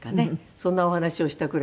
そんなお話をしたぐらいで。